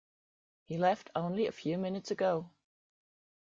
He left only a few moments ago.